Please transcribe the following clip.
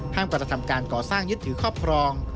ห้ามการทำการก่อสร้างยึดถือข้อพรอง